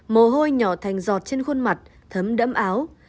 mồ hôi nhỏ thành giọt trên khuôn mặt thấm đẫm áo